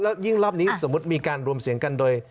แล้วยิ่งรอบนี้สมมุติมีการรวมเสียงกันโดย